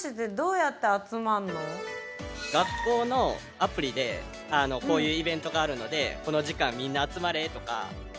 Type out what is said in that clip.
学校のアプリでこういうイベントがあるのでこの時間みんな集まれとか。